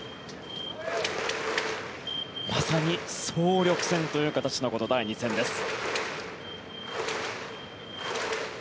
まさに総力戦という形の第２戦です。